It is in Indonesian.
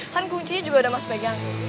kan kuncinya juga ada mas begeng